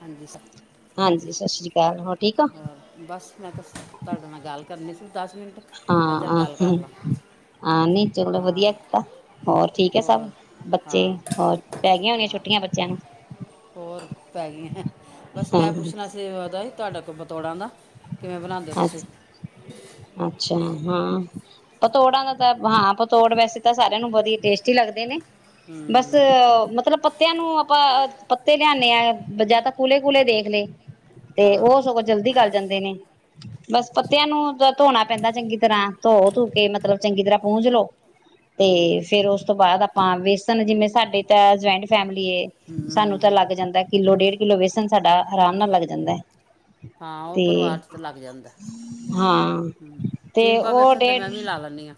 ਹਾਂਜੀ ਬਸ ਮੈਂ ਤਾਂ ਤੁਹਾਡੇ ਨਾਲ ਗੱਲ ਕਰਨੀ ਸੀ। ਹਾਂ ਆ ਨੀ ਚਲੋ ਵਧੀਆ ਕੀਤਾ ਹੋਰ ਠੀਕ ਹੈ ਸਭ ਬੱਚੇ ਹੋਰ ਪੈ ਗਈਆਂ ਹੋਣੀਆਂ ਛੁੱਟੀਆਂ ਬੱਚਿਆਂ ਨੂੰ। ਹੋਰ ਪੈ ਗਈ ਹੈ ਬਸ ਮੈਂ ਪੁੱਛਣਾ ਸੀ ਵਧ ਹੀ ਤੁਹਾਡਾ ਕੋ ਪਤੋੜਾਂ ਦਾ। ਕਿਵੇਂ ਬਣਾਉਦੇ ਹੋ ਤੁਸੀਂ। ਅੱਛਾ ਹਾਂ ਪਤੋੜਾਂ ਦਾ ਤਾਂ ਹਾਂ ਪਤੋੜ ਵੈਸੇ ਤਾਂ ਸਾਰਿਆਂ ਨੂੰ ਵਧੀਆ ਟੇਸਟੀ ਲੱਗਦੇ ਨੇ। ਬਸ ਮਤਲਬ ਪ ਪੱਤਿਆਂ ਨੂੰ ਆਪਾਂ ਪੱਤੇ ਲਿਆਦੇ ਹਾਂ ਜਾਂ ਤਾਂ ਕੂਲੇ-ਕੂਲੇ ਦੇਖ ਲੇ। ਤੇ ਉਹ ਸਗੋਂ ਜਲਦੀ ਗੱਲ ਜਾਂਦੇ ਨੇ। ਬਸ ਪੱਤਿਆਂ ਨੂੰ ਤਾਂ ਧੋਣਾ ਪੈਂਦਾ ਚੰਗੀ ਤਰ੍ਹਾਂ ਧੋ ਧੂ ਕੇ ਮਤਲਬ ਚੰਗੀ ਤਰ੍ਹਾਂ ਪੂੰਝ ਲੋੋ ਤੇ ਫੇਰ ਉਸ ਤੋਂ ਬਾਅਦ ਆਪਾਂ ਵੇਸਣ ਜਿਵੇਂ ਸਾਡੇ ਤਾਂ ਜੁਆਇੰਟ ਫੈਮਿਲੀ ਸਾਨੂੰ ਤਾਂ ਲੱਗ ਜਾਂਦਾ ਕਿੱਲੋ ਡੇਢ ਕਿੱਲੋ ਵੇਸਣ ਸਾਡਾ ਆਰਾਮ ਨਾਲ ਲੱਗ ਜਾਂਦਾ ਹੈ। ਆ ਉਹ ਪਰਿਵਾਰ ਤੇ ਲੱਗ ਜਾਂਦਾ ਤਿੰਨ ਪਾ ਵੇਸਣ ਤੇ ਮੈਂ ਵੀ ਲਾ ਲੈਂਣੀ ਹਾਂ।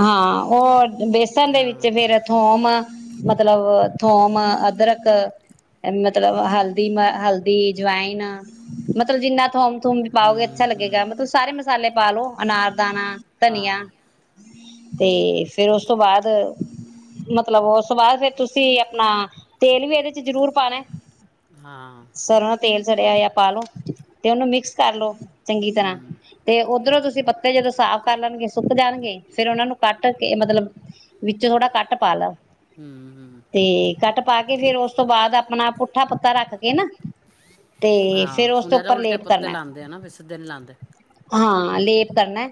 ਹਾਂ ਉਹ ਬੇਸਣ ਦੇ ਵਿੱਚ ਫੇਰ ਥੋਮ ਮਤਲਬ ਥੋਮ, ਅਦਰਕ ਮਤਲਬ ਹਲਦੀ ਮ ਹਲਦੀ, ਜਵਾਇਨ ਮਤਲਬ ਜਿੰਨਾ ਥੋਮ ਥੂਮ ਵੀ ਪਾਓ ਅੱਛਾ ਲੱਗੇਗਾ ਮਤਲਬ ਸਾਰੇ ਮਸਾਲੇ ਪਾ ਲੋ। ਅਨਾਰ। ਦਾਣਾ, ਧਨੀਆ। ਤੇ ਫੇਰ ਉਸ ਤੋਂ ਬਾਅਦ ਮਤਲਬ ਉਸ ਤੋਂ ਬਾਅਦ ਫਿਰ ਤੁਸੀਂ ਆਪਣਾ ਤੇਲ ਵੀ ਇਹਦੇ ਚ ਜ਼ਰੂਰ ਪਾਣਾ। ਸਰੋਂ ਦਾ ਤੇਲ ਸੜਿਆ ਹੋਇਆ। ਪਾਲੋ ਤੇ ਉਹਨੂੰ ਮਿਕਸ ਕਰ ਲੋ। ਚੰਗੀ ਤਰ੍ਹਾਂ ਤੇ ਉੱਧਰੋਂ ਤੁਸੀਂ। ਤੇ ਪੱਤੇ। ਜਦੋਂ ਸਾਫ਼ ਕਰ ਲੈਣਗੇ ਸੁੱਕ ਜਾਣਗੇ ਫੇਰ ਉਹਨਾਂ ਨੂੰ ਕੱਟ ਕੇ ਮਤਲਬ ਵਿੱਚੋਂ ਥੋੜਾ ਕੱਟ ਪਾ ਲਓ। ਤੇ ਕੱਟ ਪਾ ਕੇ। ਤੇ ਫੇਰ ਉਸ ਤੋਂ ਬਾਅਦ ਆਪਣਾ ਪੁੱਠਾ ਪੱਤਾ ਰੱਖ ਕੇ ਨਾ। ਹਾਂ ਸੁਣਿਆ ਤਾਂ ਉਲਟੇ ਪੁੱਤੇ ਲਾਉਂਦੇ ਸਿੱਧੇ ਨੀ ਲਾਉਂਦੇ। ਹਾਂ ਲੇਪ। ਕਰਨਾ।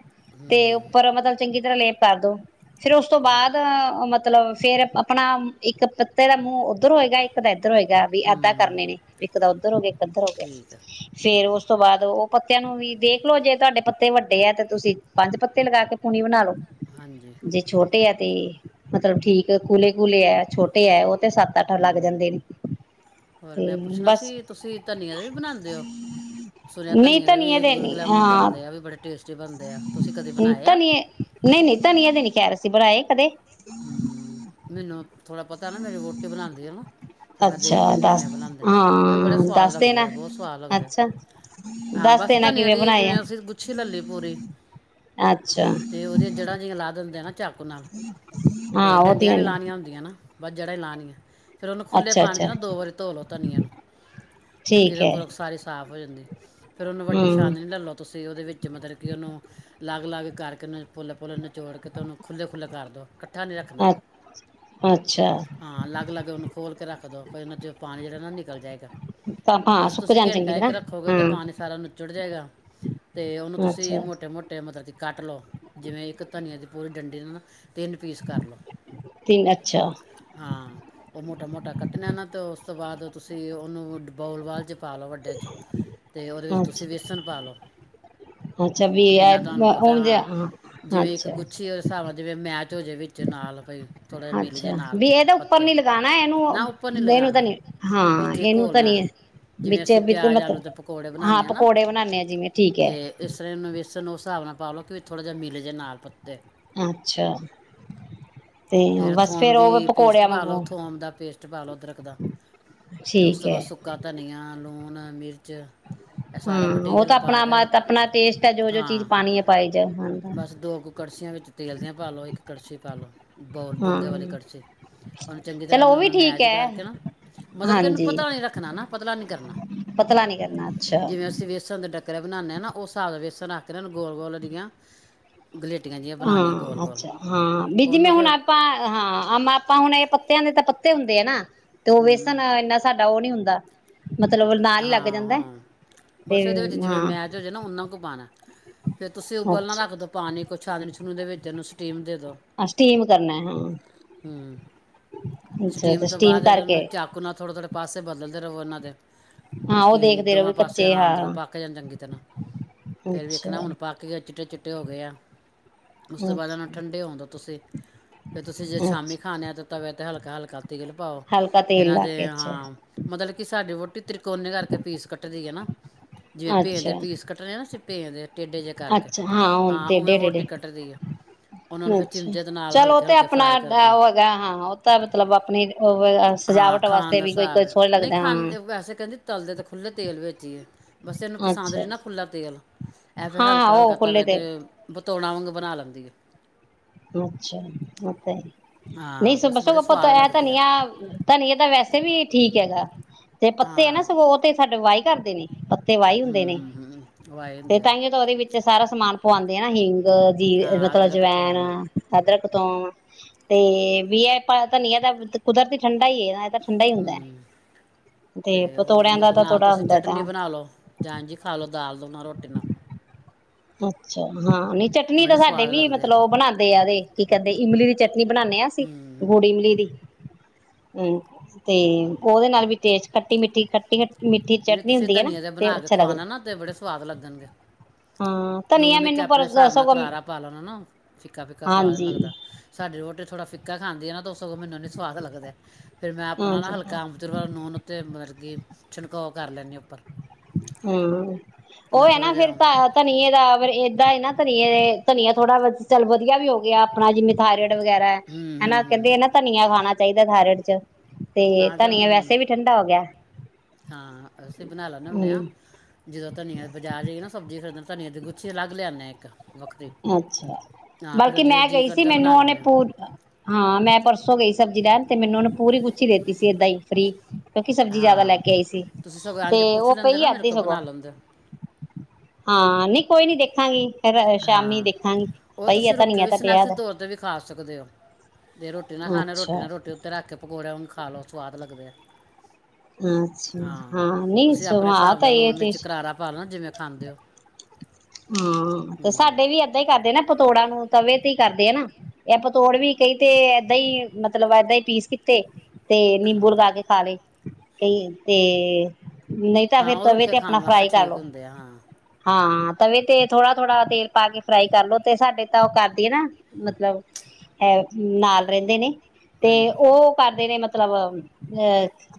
ਤੇ ਉੱਪਰ ਮਤਲਬ ਚੰਗੀ ਤਰ੍ਹਾਂ ਲੇਪ। ਕਰਦੋ। ਫੇਰ ਉਸ ਤੋਂ ਬਾਅਦ ਮਤਲਬ। ਮਤਲਬ ਫੇਰ ਆਪਣਾ ਇੱਕ ਪੱਤੇ ਦਾ ਮੂੰਹ ਉੱਧਰ ਹੋਏਗਾ ਇੱਕ ਦਾ ਇੱਧਰ। ਉੱਧਰ ਹੋਏਗਾ ਵੀ ਇਦਾ ਕਰਨੇ ਨੇ ਇੱਕ ਤਾਂ ਉੱਧਰ ਹੋਵੇ ਇੱਕ ਉੱਧਰ ਹੋ ਗਿਆ ਫੇਰ ਉਸ ਤੋਂ ਬਾਅਦ ਉਹ। ਪੱਤਿਆਂ ਨੂੰ ਵੀ ਦੇਖਲੋ ਜੇ ਤੁਹਾਡੇ ਪੱਤੇ ਵੱਡੇ। ਵੱਡੇ ਆ ਤੇ ਤੁਸੀਂ ਪੰਜ ਪੱਤੇ ਲਗਾ ਕੇ ਪੂਣੀ ਬਣਾ ਲੋ। ਜੇ ਛੋਟੇ ਆ। ਤੇ ਮਤਲਬ ਠੀਕ ਕੂਲੇ ਕੂਲੇ ਹੈ ਛੋਟੇ ਹੈ ਉਹ। ਹੂੰ ਹੋਰ ਮੈਂ ਪੁੱਛਣਾ ਸੀ ਤੁਸੀਂ ਧਨੀਆਂ ਦਾ ਵੀ ਬਣਾਉਦੇ ਹੋ ਸੁਣਿਆ ਧਨੀਆਂ ਦਾ ਵੀ ਗੁਲ ਗੁਲਾਮ ਬਣਦੇ ਆ ਵੀ ਬੜੇ ਟੇਸਟੀ। ਹੂੰ ਧਨੀਏ ਨਹੀਂ ਨਹੀਂ ਧਨੀਏ। ਕਦੇ ਨੀ ਕਿਹਾ ਅਸੀਂ ਬਣਾਏ ਕਦੇ। ਹੂੰ ਮੈਨੂੰ ਆਪ ਥੋੜਾ ਬਹੁਤ। ਤਾਂ ਨਾ ਮੇਰੀ ਰੋਟੀ ਬਣਾਉਂਦੀ ਆ ਨਾ। ਫੇਰ ਮੈਂ ਦੇਖ ਲੈਂਣੀ ਹੁੰਨੀ ਆ ਬਣਾਉਂਦੇ ਉਹ ਵੀ ਬੜੇ ਸਵਾਦ ਲੱਗਦੇ ਆ ਬਹੁਤ ਸਵਾਦ ਲੱਗਦੇ ਆ ਹਾਂ ਬਸ ਅਸੀਂ ਧਨੀਆ ਜਿਵੇਂ ਅਸੀਂ ਗੁੱਛੀ ਲੈ ਲਈ ਪੂਰੀ ਤੇ ਉਹਦੀਆਂ ਜੜ੍ਹਾਂ ਜਿਹੀਆਂ ਲਾਹ ਦਿੰਦੇ ਆ ਨਾ। ਹੂੰ। ਅਤੇ ਡੰਡੀਆਂ ਨਹੀਂ ਲਾਹਣੀਆਂ ਹੁੰਦੀਆਂ ਨਾ ਬਸ ਜੜ੍ਹਾਂ ਈ ਲਾਣੀਐ ਫਿਰ ਉਹਨੂੰ ਖੁੱਲੇ ਪਾਣੀ 'ਚ ਨਾ ਦੋ ਵਾਰੀ ਧੋ ਲਓ ਧਨੀੀਐ ਨੂੰ ਵੀ ਕਿਰਕ ਉਰਕ ਸਾਰੀ ਸਾਫ਼ ਹੋ ਜਾਂਦੀ ਫਿਰ ਉਹਨੂੰ ਵੱਡੀ ਛਾਂਨੜੀ ਲੈ ਲਓ ਤੁਸੀਂ ਉਹਦੇ ਵਿੱਚ ਮਤਲਬ ਕਿ ਉਹਨੂੰ ਅਲੱਗ-ਅਲੱਗ ਕਰਕੇ ਉਹਨ ਪੁਲੇ- ਪੁਲੇ ਨਿਚੋੜ ਕੇ ਅਤੇ ਉਹਨੂੰ ਖੁਲ੍ਹੇ-ਖੁੱਲ੍ਹੇ ਕਰ ਦਿਉ ਮੱਠਾ ਨਹੀਂ ਰੱਖਣਾ ਹਾਂ ਅਲੱਗ ਅਲੱਗ ਉਹਨੂੰ ਖੋਲ੍ਹ ਕੇ ਰੱਖ ਦੋ ਭਈ ਉਹਨਾਂ ਚ ਪਾਣੀ ਜੜਾ ਨਾ ਨਿਕ ਨਿਕਲ ਜਾਏਗਾ ਬਸ ਤੁਸੀਂ ਘੰਟਾ ਇੱਕ ਰੱਖੋਗੇ ਤਾਂ ਪਾਣੀ ਸਾਰਾ ਨਿੱਚੜ ਜਾਏਗਾ ਤੇ ਉਹਨੂੰ ਤੁਸੀਂ ਮੋਟੇ-ਮੋਟੇ ਮਤਲਬ ਕਿ ਕੱਟ ਲਓ ਜਿਵੇਂ ਇੱਕ ਧਨੀਆ ਦੀ ਪੂਰੀ ਡੰਡੀੇ ਨੂੰ ਨਾ ਤਿੰਨ ਕਰਲੋ ਹਾਂ ਉਹ ਮੋਟਾ-ਮੋਟਾ ਕੱਟਣਾ ਨਾ ਤੋ ਉਸ ਤੋਂ ਬਾਅਦ ਤੁਸੀਂ ਉਹਨੂੰ ਬੋਲ-ਬਾਲ 'ਚ ਪਾਲੋ ਵੱਡੇ ਚ ਤੇ ਓਦੇ ਵਿੱਚ ਤੁਸੀਂ ਵੇਸਨ ਪਾ ਲਓ ਜਿਨ੍ਹਾਂ ਤੁਹਾਨੂੰ ਪਤਾ ਹੈ ਨਾ ਜਿਵੇਂ ਇਕ ਗੁੱਛੀ ਦੇ ਹਿਸਾਬ ਨਾਲ ਜਿਵੇਂ ਮੈਚ ਜੇ ਵਿੱਚ ਅਤੇੇ ਨਾਲ ਭਈ ਅੱਛਾ ਵੀ ਇਹਦਾ ਉੱਪਰ ਨੀ ਲਗਾਣਾ ਇਹਨੂੰ ਇਹਨੂੰ ਤਾਂ ਨੀ ਹਾਂ ਇਹਨੂੰ ਤਾਂ ਨੀ ਵਿੱਚ ਮਤਲਬ ਹਾਂ ਪਕੌੜੇ ਬਣਾਦੇ ਆ ਜਿਵੇਂ ਠੀਕ ਹੈ। ਪਾ ਲਓ ਕਿ ਵਿਚ ਥੋੜ੍ਹਾ ਜਿਹਾ ਮਿਲੇ ਜਾਏ ਨਾਲ ਪੱਤੇ ਅੱਛਾ। ਫੇਰ ਥੋਮ ਦੀ ਪੇਸਟ ਪਾ ਲਓ ਥੋਮ ਦਾ ਪੇਸਟ ਪਾ ਲਓ ਅਦਰਕ ਦਾ ਤੇ ਉਸ ਤੋਂ ਬਾਅਦ ਸੁੱਕਾ ਧਨੀਆ, ਲੂਣ ਣ ਮਿਰਚ ਹਾਂ ਉਹ ਤਾਂ ਆਪਣਾ ਮ ਆਪਣਾ ਟੇਸਟ ਹੈ ਜੋ ਜੋ ਚੀਜ਼ ਪਾਣੀ ਹੈ ਪਾਾਈ ਜਾ ਹੰਦਾ ਪਾਲੋ ਇੱਕ ਕੜਛੀ ਪਾ ਲੋ ਬੋਲ ਡੂੰਘੇ ਵਾਲੇ ਕੜਛੀ ਉਹਨੂੰ ਚੰਗੀ ਤਰ੍ਹਾਂ ਨਾਲ ਉਹਨੂੰ ਮੈਚ ਕਰਕੇ ਨਾ ਮਤਲਬ ਕਿ ਉਹਨੂੰ ਪਤਲਾ ਨੀ ਰੱਖਣਾ ਨਾ ਪਤਲਾ ਨੀ ਕਰਨਾ ਜਿਵੇਂ ਅਸੀਂ ਵੇਸਣ ਦੇ- ਘਰੇ ਬਣਾਦੇ ਨਾ ਉਹ ਹਿਸਾਬ ਬੇਸਣ ਰਖ ਕੇ ਗੋਲ-ਗੋਲ ਅਡੀਆ ਹਾਂ ਅੱਛਾ ਹਾਂ ਬੀਜੀ ਮੈਂ ਹੁਣ ਆਪਾਂ ਹਾਂ ਮ ਆਪਾਂ ਹੁਣ ਇਹ ਪੱਤਿਆਂ ਦੇ ਤਾਂ ਪੱਤੇ ਹੁੰਦੇ ਏ ਨਾ ਤੇ ਉਹ ਵੇਸਣ ਇੰਨਾ ਸਾਡਾ ਉਹ ਨੀ ਹੁੰਦਾ ਦਾ ਹਾਂ-ਹਾਂ ਬਸ ਇਹਦੇ ਵਿੱਚ ਜਿਵੇਂ ਮੈਚ ਹੋ ਜਾਏ ਨਾ ਉਹਨਾਂ ਕੁ ਪਾਉਣਾ ਫਿਰ ਤੁਸੀਂ ਉਬਲਣਾ ਰੱਖਦੋ ਪਾਣੀ ਕੁਛ ਛਾਨਣੀ ਛੂਨਣੀ ਦੇ ਵਿੱਚ ਇਹਨੂੰ ਸਟੀਮ ਦੇ ਆ ਸਟੀਮ ਕਰਨੈ ਹਾਂ। ਹੂੰ! ਸਟੀਮ ਤੋਂ ਬਾਅਦ ਇਹਨਾਂ ਨੂੰ ਚਾਕੂ ਨਾਲ ਥੋੜ੍ਹਾ-ਥੋੜ੍ਹਾ! ਪਾਸੇ ਬਦਲਦੇ ਰਵੋ ਇਹਨਾਂ ਦੇ ਕਿ ਦੋਵਾਂ ਪਾਸੇ ਹਾਂ ਅੰਦਰੋਂ ਪੱਕ ਜਾਣ ਚੰਗੀ ਤਰ੍ਹਾਂ ਫੇਰ ਵੀ ਵੇਖਣਾ ਹੁਣ ਪੱਕ ਗ ਚਿੱਟੇ--ਚਿੱਟੇ ਟੇ ਹੋ ਗਏ ਆ ਉਸ ਤੋਂ ਬਾਅਦ ਨਾਲ ਠੰਡੇ ਆਉਂਦੇ ਤੁਸੀਂ ਫਿਰ ਤੁਸੀਂ ਜੇ ਸ਼ਾਮੀ ਖਾਣਿਆ ਤੇ ਤਵੇ ਤੇ ਹਲਕੇ ਕਾਲ-ਕਲ ਤੇਲ ਪਾਓ ਇਹਨਾਂ ਦੇ ਹਾਂ ਮਤਲਬ ਕਿ ਸਾਡੇ ਵ ਤ੍ਰਿਕੋਨੇ ਕਰਕੇ ਪੀਸ ਕੱਟਦੀ ਹੈ ਨਾ ਜਿਵੇਂ ਭੇਂ ਦੇ ਪੀਸ ਕੱਟਣੇ ਆ ਨਾ ਡੇ ਦੇ ਟੇਢੇ ਜਿਹੇ ਕਰਕੇ ਹਾਂ ਉਵੇਂ ਵੋਟੀ ਕੱਟਦੀ ਆ ਉਹਨਾਂ ਨੂੰ ਫਿਰ ਚਿਮਚੇ ਦੇ ਨਾਲ ਹਲਕੇ-ਹਲਕੇ ਫਰਾਈ ਕਰਦੇ ਉਹ ਹੈਗਾ ਹਾਂ ਉਹ ਤਾਂ ਮਤਲਬ ਆਪਣੀ ਸਜਾਵਟ ਵਾਸਤੇ ਵੀ ਕੋਈ ਕੋਈ ਸੋਚ ਲੱਗਦਾ ਹਾਂ ਜੀ। ਬਸ ਇਹਨੂੰ ਪਸੰਦ ਨੀ ਨਾ ਖੁੱਲਾ ਤੇਲ ਐ ਤੇ ਹਲਕਾ-ਹਲਕਾ ਤਵੇ ਤੇ ਤੋਣਾ ਵਾਂਗ ਬਣਾ ਲੈਂਦੀ ਹੈ। ਅੱਛਾ ਉਹ ਤੇ ਹੈ ਇ ਨਹੀਂ ਬਸੋ ਇਹ ਧਨੀਆ ਧਨੀਆ ਤਾਂ ਵੈਸੇ ਵੀ ਠੀਕ ਹੈਗਾ ਤੇ ਪੱਤੇ ਆ ਨਾ ਸਗੋ ਤੇ ਸਾਡੇ ਵਾਈ ਕਰਦੇ ਨੇ। ਪੱਤੇ ਵਾਈ ਹੁੰਦੇ ਨੇ ਤੇ ਤਾਇਉ ਉਹਦੇ ਵਿੱਚ ਸਾਰਾ ਸਮਾਨ ਪਵਾਉਂਦੇ ਆ ਹੀ ਅ ਜੀ ਮਤਲਬ ਅਜਵੈਣ ਅਦਰਕ ਤੋਂ ਤੇ ਵੀ ਇਹ ਧਨੀਆ ਦਾ ਕੁਦਰਤੀ ਠੰਡ ਹਮ ਤੇ ਹੋਰ ਮਤਲਬ ਨਾ ਤੁਸੀਂ ਚਟਨੀ ਬਣਾ ਲਓ ਜਾਂ ਇੱਝ ਹੀ ਖਾ ਲਓ ਦਾਲ ਦੋਲ ਰੋਟੀ ਨਾਲ ਅੱਛਾ ਹਾਂ। ਚਟਨੀ ਤਾਂ ਸਾਡੇ ਵੀ ਮਤਲਬ ਉਹ ਬਣਾਦੇ ਆਦੇ ਕੀ ਕਹਦੇ ਇਮਲੀ ਦੀ ਚੱਟੀ ਟਨੀ ਬਣਾਦੇ ਹਾਂ ਅਸੀਂ ਗੋੜ ਇਮਲੀ ਦੀ ਰੂੰ। ਤੇ ਉਹਦੇ ਨਾਲ ਵੀ ਤੇ ਕੱਟੀ ਮਿੱਠਟੀ ਕੱਟੀਟੀ ਨਹੀਂ ਤੁਸੀਂ ਧਨੀਆਂ ਦੇ ਬਣਾ ਕੇ ਖਵਾਉਣਾ ਨਾ ਤੇ ਬੜੇ ਸਵਾਦ ਲੱਗਣਗੇ। ਲੂਣ ਮਿਰਚ ਆਪਣੇ ਹਿਸਾਬ ਨਾਲ ਕਰਾਰਾ ਪਾ ਲੈਣਾ ਨਾ ਫਿੱਕਾ ਫਿੱਕਾ ਸਵਾਦ ਨੀ ਲੱਗਦਾ ਸਾਡੇ ਰੋਟੀ ਥੋੜਾ ਫਿੱਕਾ ਖਾਂਦੇ ਆ ਨਾ ਸਗੋਂ ਮੈਨੂੰ ਨੀ ਸਵਾਦ ਲੱਗਦਾ ਫਿਰ ਮੈਂ ਆਪਣਾ ਨਾ ਹਲਕਾ ਅੰਬਚ ਨੂਣ ਉੱਤੇ ਮਤਲਬ ਕਿ ਛਿਨਕਾਓ ਕਰ ਲੈਂਦੇ ਉੱਪਰ ਹਮ। ਉਹ ਹੈ ਨਾ ਫੇਰ ਧ ਧਨੀਏ ਦਾ ਏਦਾਂ ਹੀ ਨਾ ਧਨੀਏ ਤੇ ਧਨੀਆ ਥੋੜਾ ਚੱਲ ਵਧੀਆ ਵੀ ਹੋ ਗਿਆ ਆਪਣਾ ਜਿਮੀ ਥਹਆਏਰਢ ਵਗੈਰਾ ਹਨਾ ਕਹਿੰਦੇ ਨਾ ਧਨੀਆਂ ਖਾਣਾ ਚਾਹੀਦਾ ਥਹਆਇਰਡ ਚ ਤਾਂ ਤੇ ਹੰਮ ਹਾੰ ਅਸੀਂ ਬਣਾ ਲਾ [unintelligible] ਧਨੀਆਂ ਦੀ ਗੁੱਛੀ ਅੱਲਗ ਲਿਆਂਨੇ ਇੱਕ ਅੱਛਾ ਬਲਕਿ ਮੈਂ ਗਈ ਸੀ ਮੈਨੂੰ ਉਹਨੇ ਪੂ ਹਾਂ ਮੈਂ ਪਰਸੋਂ ਗਈ ਸਬਜ਼ੀ ਲੈਨ ਤੇ ਮੈਨੂੰ ਉਹਨੇ ਪੂਰੀ ਗੁਛੀ ਦੇਤੀ ਸੀ ਐਦਾਂ ਹੀ ਫ੍ਰਰੀ ਕਿਉਂਕਿ ਸਬਜ਼ੀ ਜਿਆਦਾ ਲੈ ਕੇ ਆਈ ਸੀ ਤੇ ਉਹ ਪਈ ਅੱਧੀ ਸਗੋਂ ਹਾਂ ਨੀ ਕੋਈ ਨੀ ਦੇਖਾਂਗੀ [unintelligible] ਹਾਂ ਓਹ ਤੁਸੀਂ ਰੁੱਖੇ ਵੀ ਸਨੈਕਸ ਦੇ ਤੌਰ ਤੇ ਵੀ ਖਾ ਸਕਦੇ ਹੋ ਤੇ ਰੋਟੀ ਰੋ ਨਾ ਖਣੀ ਰੋਟੀ ਨਾਲ ਰੋਟੀ ਉੱਤੇ ਰੱਖ ਕੇ ਪੌੜ ਪੂਰਾ ਹੁਨ ਖਾ ਲਓ ਸਵਾਦ ਲੱਗਦੇ ਆ ਅੱਛਾ ਹਾਂ ਨੀ ਸੁ [unintelligible] ਕਿਵੇਂ ਖਾਂਦੇ ਹੋ ਤੇ ਸਾਡੇ ਵੀ ਐਦਾਂ ਹੀ ਕਰਦੇ ਨਾ ਪਤੋੜਾਂ ਨੂੰ ਤਵੇ ਤ ਹੀ ਕਰਦੇ ਏ ਨਾ ਇਹ ਪਤੋੜ ਵੀ ਕਈ ਤੇ ਏਦਾਂ ਹੀ ਮਤਲਬ ਏਦਾਂ ਹੀ ਪੀਸ ਕੀਤੇ ਤੇ ਨਿੰਬੂ ਲਗਾ ਕੇ ਖਾ ਲਏ ਕਈ ਤੇ ਨਹੀਂ ਤਾਂ ਫਿਰ ਤਵੇ ਤੇ ਆਪਣਾ ਫਰਾਈ ਕਰ ਲੋ ਹਾਂ ਤਵੇ ਤੇ ਥੋੜਾ ਥੋੜਾ ਤੇਲ ਪਾ ਕੇ ਫਰਾਈ ਕਰਲੋ ਤੇ ਸਾਡੇ ਤਾਂ ਉਹ ਕਰਦੀ ਏ ਨਾ ਮਤਲਬ ਹੈ ਨਾਲ ਰਹਿੰਦੇ ਨੇ ਤੇ ਉਹ ਕਰਦੇ ਨੇ ਮਤਲਬ [unintelligible]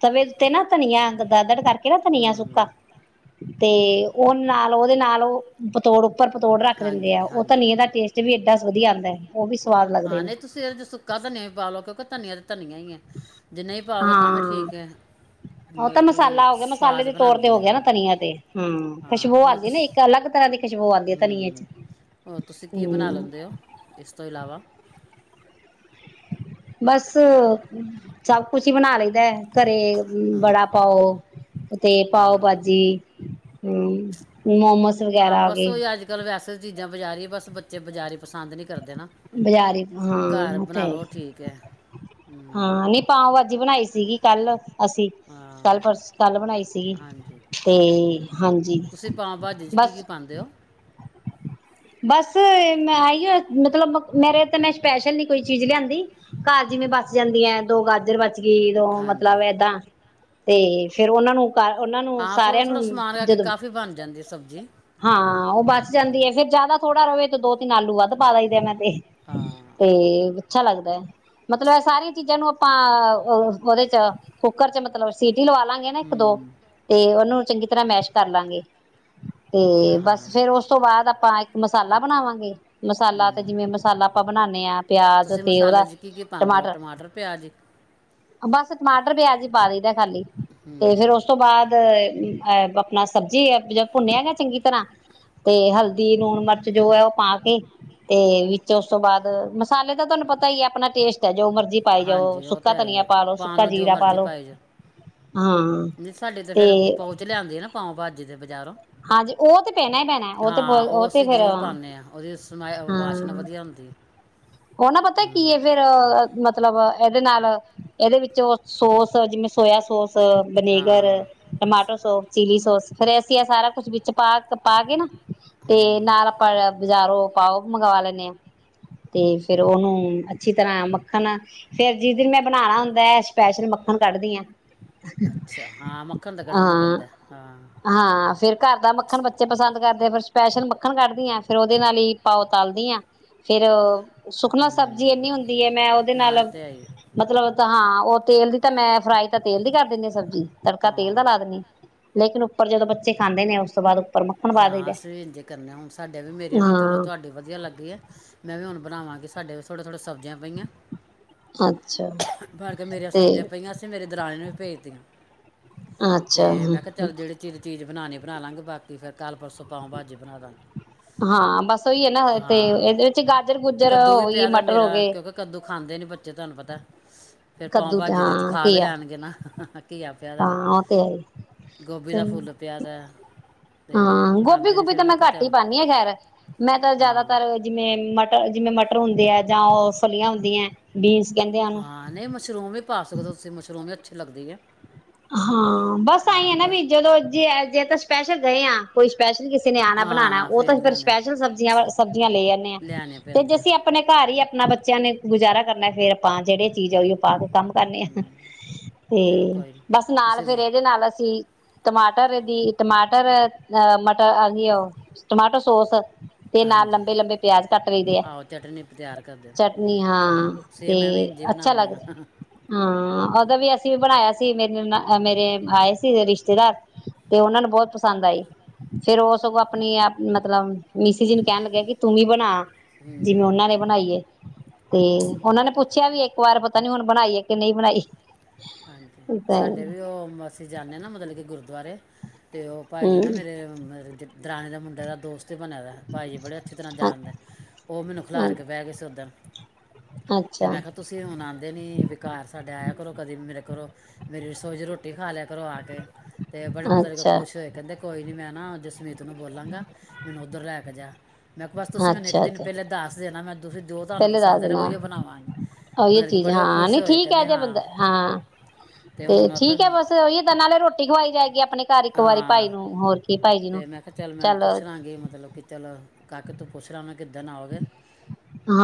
ਤਵੇ ਤੇ ਨਾ ਧਨੀਆਂ [unintelligible] ਕਰ ਕਿਹੜਾ ਧਨੀਆਂ ਸੁੱਕਾ ਤੇ ਉਹ ਨਾਲ ਉਹਦੇ ਨਾਲ ਉਹ ਪਤੋੜ ਉੱਪਰ ਪਤੋੜ ਰੱਖ ਦਿੰਦੇ ਆ ਉਹ ਧਨੀਏ ਦਾ ਟੇਸਟ ਵੀ ਏਡਾ ਵਧੀਆੁੰਂਦਾ [inaudible] ਹਾਂ ਨਹੀਂ ਤੁਸੀਂ ਇਹਦੇ ਸੁੱਕਾ ਧਨੀਆ ਵੀ ਪਾਲਓ ਕਿਉਂਕਿ ਧਨੀਆ ਧਨੀਆ ਈ ਏ ਜੇ ਨਹੀਂ ਪਾਓਗੇ ਤਾਂ ਵੀ ਠੀਕ ਏ ਮਤਲਬ ਕਿ ਸਵਾਦ ਬਨਾਂਦੀ ਈ ਏ ਹਾਂ ਹੋਰ ਤੁਸੀ ਹਮ ਹੋਰ ਤੁਸੀਂ ਕੀ ਬਨਾ ਲੈਂਦੇ ਹੋ ਇਸ ਤੋਂ ਇਲਾਵਾ ਬਸ ਸਭ ਕੁਛ ਹੀ ਬਨਾ ਲਈਦੈ ਘਰੇ ਵੜਾ ਪਾਓ ਤੇ ਪਾਓ ਭਾਜੀ ਹੂ ਮੋਮੋਸ ਵਗੈਰਾ ਆ ਗਏ। ਬਜ਼ਾਰੀ ਬਸ ਬੱਚੇ ਬਜ਼ਾਰਾ ਦਇਆ ਪਸੰਦ ਕਰਦੇ ਕਰਦੇ ਨਾ ਘਰ ਬਣਾ ਲੋ ਠੀਕ ਹੈ। ਹਾਂ ਨਹੀਂ ਪਾੳ ਭ ਬਣਾਈ ਸੀਗੀ ਕੱਲ ਅਸੀਂ ਕੱਲ ਬਣਾਈ ਸੀਗੀ ਤੇ ਹਾਂਜੀ ਬਸ ਬਸ ਮੈਂ ਆ ਮਤਲਬ ਮੇਰੇ ਤੇ ਮੈਂ ਸਪੈਸ਼ਲ ਨੀ ਕੋਈ ਚੀਜ਼ ਲਿਆਂਦੀ ਘਰ ਜਿਵੇਂ ਬੱਸ ਜਾਂਦੀ ਹੈ ਦੋ ਗਾਜਰ ਗੀ ਤੋ ਮਤਲਬ ਏਦਾਂ ਤੇ ਫੇਰ ਉਹਨਾਂ ਨੂੰ ਉਹਨਾਂ ਨੂੰ ਸਾਰਿਆਂ ਨੂੰ ਜਦੋਂ ਹਾਂ ਉਹ ਬਚ ਜਾਂਦੀ ਹੈ ਫਿਰ ਥੋੜਾ ਰਹੇ ਤੇ ਦੋ ਤਿੰਨ ਆਲੂ ਵੱਧ ਪਾਈ ਦੇ ਨੇ ਤੇ ਅੱਛਾ ਲੱਗਦਾ ਹੈ ਮਤਲਬ ਇਹ ਸਾਰੀਆਂ ਚੀਜ਼ਾਂ ਨੂੰ ਆਪਾਂ ਉਹਦੇ ਚ, ਕੁੱਕਰ ਚ, ਮਤਲਬ ਸੀਟ ਸੀਟੀ ਲਵਾ ਲਾਂਗੇ ਨਾ ਇੱਕ ਦੋ ਤੇ ਉਹਨੂੰ ਚੰਗੀ ਤਰ੍ਹਾਂ ਮੈਸ਼ ਕਰ ਲਾਂਗੇ। ਤੇ ਬਸ ਫੇਰ ਉਸ ਤੋਂ ਬਾਅਦ ਆਪਾਂ ਮਸਾਲਾ ਬਣਾਵਾਂਗੇ ਮਸਾਲਾ ਤੇ ਜਿਵੇਂ ਮਸਾਲਾ ਆਪਾਂ ਬਣਾਦੇ ਹਾਂ ਪਿਆਜ ਤੇ ਉਹਦਾ ਟਮਾਟਰ ਬਸ ਟਮਾਟਰ ਪਿਆਜ ਪਾਦੀ ਦੇ ਖਾਲੀ ਤੇ ਫਿਰ ਉਸ ਤੋਂ ਬਾਅਦ ਆ ਆਪਣੀ ਸਬਜ਼ੀ ਭੁੰਨਿਆ ਚੰਗੀ ਤਰ੍ਹਾਂ ਤੇ ਹਲਦੀ ਲੂਣ ਮਿਰਚਾਂ ਜੋ ਹੈ ਉਹ ਪਾ ਕੇ ਤੇ ਵਿੱਚ ਉਸ ਤੋਂ ਬਾਅਦ ਮਸਾਲੇ ਦਾ ਤੁਹਾਨੂੰ ਪਤਾ ਹੀ ਹੈ ਆਪਣਾ ਟੇਸਟ ਹੈ ਜੋ ਮਰਜ਼ੀ ਪਾਉ ਹਾਂਜੀ ਉਹ ਤੇ ਆਈ ਆ ਪਾਉਣ ਨੂੰ ਜੋ ਮਰਜੀ ਪਾਏ ਜਾ ਨਹੀਂ ਸਾਡੇ ਤੇ ਫਿਰ ਪੋਚ ਲਿਆਂਦੀ ਆ ਨਾ ਪਾਓ ਭਾਜੀ ਦੇ ਹਾਂ ਉਹ ਅਸੀਂ ਜ਼ਰੂਰ ਪਾਉਦੇ ਹਾਂ ਉਹਦੀ ਵਾਸ਼ਨਾ ਵਧੀਆ ਹੁੰਦੀ ਉਹ ਨਾ ਪਤਾ ਕੀ ਹੈ ਫਿਰ ਮਤਲਬ ਇਹਦੇ ਨਾਲ ਇਹਦੇ ਵਿੱਚ ਸੋਸ ਜਿਵੇਂ soya sauce vinegar tomato soup chilli sauce ਫੇਰ ਅਸੀਂ ਆ ਸਾਰਾ ਕੁਛ ਵਿੱਚ ਪਾ ਪਾ ਕੇ ਨਾ ਤੇ ਨਾਲ ਆਪਾਂ ਬਜ਼ਾਰੋ ਪਾਓ ਮੰਗਵਾ ਲਦੇ ਹ ਆ ਤੇ ਫੇਿਰ ਉਹਨੂੰ ਅੱਛੀ ਤਰ੍ਹਾਂ ਮੱਖਣ ਫੇਿਰ ਜਿਸ ਦਿਨ ਮੈਂ ਬਣਾਉਣਾ ਹੁੰਦਾ ਹੈ ਸਪੈਸ਼ਲ ਮੱਖਣ ਕੱਢਦੀ ਹਾਂ। ਹਾਂ ਹਾਂ ਫਿਰ ਘਰ ਦਾ ਮੱਖਣ ਬੱਚੇ ਪਸੰਦ ਕਰਦੇ ਫਿਰ ਸਪੈਸ਼ਲ ਮੱਖਣ ਕੱਢਦੀ ਹਾਂ ਫੇਰ ਉਹਦੇ ਨਾਲ ਹੀ ਪਾਓ ਤਲਦੀ ਹਾਂ ਫੇਰ ਸੁਖਨਾ ਸਬਜ਼ੀ ਇੰਨੀ ਹੁੰਦੀ ਹੈ, ਮੈਂ ਉਹਦੇ ਨਾਲ ਮਤਲਬ ਤਾਂ ਹਾਂ ਉਹ ਤੇਲ ਦੀ ਤਾਂ ਮੈਂ ਫਰਾਈ ਤਾਂ ਤੇਲ ਦੀ ਕਰ ਦਿੰਦੀ ਹ ਸਬਜ਼ੀ ਤੜਕਾ ਤੇਲ ਦਾ ਲਾ ਦੇਣੀ ਲੇਕਿਨ ਉੱਪਰ ਜਦੋਂ ਬੱਚੇ ਖਾਂਦੇ ਨੇ ਉਸ ਤੋਂ ਬਾਅਦ ਹਾਂ ਅਸੀਂ ਵੀ ਇੰਝ ਕਰਨੇ ਹ ਹੁਣ ਸਾਡਿਆਂ ਵੀ ਮੇਰੀਆਂ ਵੀ ਚਲੋ ਤੁਹਾਡੀ ਵਧੀਆ ਲੱਗੀ ਆ ਮੈਂ ਵੀ ਹੁਣ ਬਣਾਵਾਂਗੇ ਸਾਡੇ ਥੋੜੇ ਥੋੜੇ ਸਬਜ਼ੀਆਂ ਪੇਈਆ ਬਲਕੇ ਮੇਰੀਆਂ ਸਬਜ਼ੀਆਂ ਪਈਆਂ ਸੀਂ ਮੇਰੀ ਦੇਰਾਣੀ ਨੂੰ ਵੀ ਭੇਜਤੀਆਂ ਤੇ, ਮੈਂ ਕਿਹਾ ਚੱਲ ਜਿਹੜੀ ਚੀਜ਼ ਚੀਜ਼ ਬਣਾਉਣੀ ਬਣਾ ਲਵਾਂਗੇ ਬਾਕੀ ਫੇਰ ਕੱਲ੍ਹ ਪਰਸੋਂ ਪਾਓ ਭਾਜੀ ਬਣਾ ਦਾਂਗੇ ਹਾਂ। ਬਸ ਉਹੀ ਹੈ ਨਾ ਇਥ ਇਹਦੇ ਵਿੱਚ ਗਾਜਰ ਗੁਜਰ ਹੋ ਗਈ ਮਟਰ ਹੋ ਗਏ ਖਾਂਦੇ ਨੀ ਬੱਚੇ ਤੁਹਨੂੰ ਪ ਫੇਰ ਪਾਓਂ ਭਾਜੀ ਚ ਤਨਖਾਹ ਵੀ ਲੈਣਗੇ ਨਾ ਹਾਂ। ਉਹ ਤੇ ਹੈ ਹੀ ਹਾਂ ਗੋਭੀ ਗੋਭੀ ਤਾਂ ਮੈਂ ਘੱਟ ਹੀ ਪਾਉਣੀ ਹਾਂ ਖੈਰ ਮੈਂ ਤਾਂ ਜ਼ਿਆਦਾਤਰ ਜਿਵੇਂ ਮਟਰ ਜਿਵੇਂ ਮਟਰ ਹੁੰਦੇ ਆ ਜਾਂ ਉਹ ਫਲੀਆਂ ਹੁੰਦੀਆਂ ਬੀਨਸ ਹਾਂ ਨਹੀਂ ਮਸ਼ਰੂਮ ਵੀ ਪਾ ਸਕਦੇ ਹੋ ਤੁਸੀਂ ਮਸ਼ਰੂਮ ਵੀ ਅੱਛ ਛੇ ਲੱਗਦੇ ਨੇਂ ਹਾਂ। ਬਸ ਆਈ ਹੈ ਨਾ ਵੀ ਜਦੋਂ ਜੇ ਜੇ ਤਾਂ ਸਪੈਸ਼ਲ ਗਏ ਹ ਕੋਈ ਸਪੈਸ਼ਲ ਕਿਸ ਨੇਆਣਾ ਬਣਾਉਣਾ ਉਹ ਤਾਂ ਫਿਰ ਸਪੈਸ਼ਲ ਸਬਜ਼ੀਆਂ ਸਬਜ਼ੀਆਂ ਲੈ ਆਨੇ ਆ ਤੇ ਜ ਅਸੀਂ ਆਪਣੇ ਘਰ ਹੀ ਆਪਣਾ ਬੱਚਿਆਂ ਨੇ ਗੁਜ਼ਾਰਾ ਕਰਨਾ ਫ਼ੇਰ ਆਪਾਂ ਜਿਹੜੇ ਚੀਜ਼ ਆਈ ਉਹ ਪਾ ਕੇ ਕੰਮ ਕਰਨੇ ਆ ਤੇ ਬਸ ਨਾਲ ਫੇਰ ਇਹਦੇ ਨਾਲ ਅਸੀਂ ਟਮਾਟਰ ਦੀ ਟਮਾਟਰ ਅਹ ਮਟਰ ਟਮਾਟਰੋ ਸੋਸ ਤੇ ਨਾਲ ਲੰਬੇ ਲੰਬੇ ਪਿਆਜ ਕੱਟ ਲਦੇ ਆ ਚਟਨੀ ਹਾਂ, ਤੇ ਅੱਛਾ ਲੱਗਦਾ ਹੂੰ ਹਾਂ ਉਹਦਾ ਵੀ ਅਸੀਂ ਵੀ ਬਣਾਇਆ ਸੀ। ਸੀ ਮੇਰੇ ਮੇਰੇ ਆਏ ਸੀ ਰਿਸ਼ਤੇਦਾਰ ਤੇ ਉਹਨਾਂ ਨੂੰ ਬਹੁਤ ਪਸੰਦ ਆਈ ਫੇਰ ਉਹ ਸਗੋਂ ਆਪਣੀ ਮਤਲਬ ਮੀਸੀਜ ਨੂੰ ਕਹਿਣ ਲੱਗਿਆ ਕਿ ਤੂੰ ਵੀ ਬਣਾ ਜਿਵੇਂ ਉਹਨਾਂ ਨੇ ਬਣਾਈ ਏ ਤੇ ਉਹਨਾਂ ਨੇ ਪੁੱਛਿਆ ਵੀ ਇੱਕ ਵਾਰ, ਪਤਾ ਨੀ, ਹੁਣ ਬਣਾਈ ਹੈ ਕਿ ਨਹੀਂ ਬਣਾਈ? ਹਾਂਜੀ ਸਾਡੇ ਵੀ ਉਹ ਅਸੀਂ ਜਾਂਦੇ ਹਾਂ ਨਾ, ਮਤਲਬ ਕਿ ਗੁਰਦੁਆਰੇ ਅਤੇ ਉਹ ਭਾਈ ਜੀ ਨਾ ਮੇਰੇ ਮੱਦਦ ਦਰਿਆਣੇ ਦੇ ਮੁੰਡੇ ਦਾ ਦੋਸਤ ਉੱਥੇ ਬਣਿਆ ਦਾ ਭਾਈ ਜੀ ਬੜੇ ਅੱਛੀ ਤਰ੍ਹਾਂ ਜਾਣਦੇ। ਉਹ ਮੈਨੂੰ ਖਿਲਾਰ ਕੇ ਬਹਿ ਗਏ ਸੀ ਉੱਦਣ। ਤੇ ਮੈਂ ਕਿਹਾ, ਤੁਸੀਂ ਹੁਣ ਆਉਂਦੇ ਨੀ, ਬੇਕਾਰ ਸਾਡਾ ਆਇਆ ਕਰੋ। ਕਰੋ ਮੇਰੀ ਰਸੋਈ ਚ ਰੋਟੀ ਖਾਲੇਆ ਕਰਵਾ ਕੇ ਤੇ ਬੜੇ ਮਤਲਬ, ਕੀ ਖੁਸ਼ ਹੋਏ, ਕਹਿੰਦੇ ਕੋਈ ਨੀ, ਮੈਂ ਨਾ, ਜਸਮੀਤ ਨੂੰ ਬੋਲਾਂਗਾ, ਮੈਨੂੰ ਉੱਧਰ ਲੈ ਕੇ ਜਾ। ਮੈਂ ਕਿਹਾ, ਬਸ ਤੁਸੀਂ ਮੈਨੂੰ ਇੱਕ ਦਿਨ ਪਹਿਲੇ ਦੱਸ ਦੇਣਾ, ਮੈਂ ਤੁਸੀਂ ਜੋ ਤੁਹਾਨੂੰ ਪਸੰਦ ਹੈ ਨਾ, ਮੈਂ ਉਹੀਓ ਬਣਾਵਾਂਗੀ। ਮਤਲਬ ਕਿ ਬੜੇ ਉਹ ਖੁਸ਼ ਹੋਏ, ਕਹਿੰਦੇ ਹਾਂ। ਹਾਂ, ਤੇ ਠੀਕ ਹੈ, ਬਸ ਉਹੀ ਦਨੇ ਰੋਟੀ ਖਵਾਈ ਜਾਏਗੀ ਆਪਣੇ। ਹਾਂ, ਤੇ ਮੈਂ ਕਿਹਾ, ਚੱਲ ਮੈਂ ਪੁੱਛਣਾਗੀ, ਮਤਲਬ ਕਿ ਚਲੋ ਕਾਕੇ, ਤੂੰ ਪਛਰਾਣਾ ਕਿੱਦਣ ਆਉਗੇ?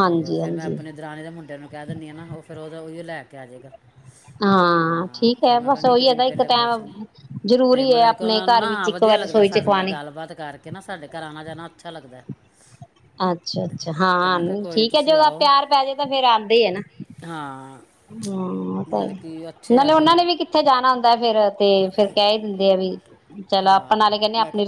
ਤੇ ਫਿਰ, ਮੈਂ ਆਪਣੀ ਦਰਾਨੀ ਦੇ ਮੁੰਡਿਆਂ ਨੂੰ ਕਹਿ ਦਿੰਦੀ ਆ ਨਾ, ਉਹ ਫੇਰ ਉਹਦਾ ਉ ਲੇ ਕੇ ਆਜੇਗਾ। ਹਾਂ, ਠੀਕ ਹੈ। ਬਸ ਉਹੀ ਹੈ, ਇੱਕ ਟਇਮ ਜਰੂਰ ਤੇ ਮਤਲਬ ਕਿ ਉਹਨਾ ਨੂੰ ਨਾ, ਹਾਂ ਵਧੀਆ ਲੱਗਦਾ ਸਾਡੇ ਨਾਲ ਗੱਲਬਾਤ ਕਰਕੇ ਨਾ, ਸਾਡੇ ਘਰ ਆਨਾ- ਜਾਣਾ ਅੱਛਾ ਲੱਗਦਾ। ਕੁਦਾ ਅੱਛਾ-ਅੱਛਾ, ਹਾਂ ਠੀਕ ਹੈ। ਜੇ ਉਹਦਾ ਪਿਆਰ ਪੈ ਜੇ ਤਾਂ ਫਰ ਆਉਂਦੇ ਆ ਨਾ ਹਮ ਤੇ, ਨਾਲੇ ਉਹਨਾਂ ਨੇ ਵੀ ਕਿੱਥੇ ਜਾਣਾ ਹੁੰਦਾ ਫਿਰ ਤੇ, ਫਿਰ ਕਹਿ ਹੀ [unintelligible] ਚਲੋ, ਆਪਾਂ ਨਾਲੇ ਕਹਿੰਦੇ ਆਪਣੀ।